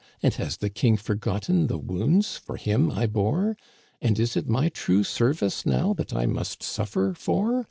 And has the king forgotten the wounds for him I bore ? And is it my true service now that I must suffer for?